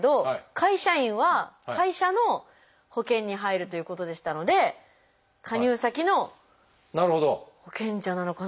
会社員は会社の保険に入るということでしたので加入先の保険者なのかなと思ったけども。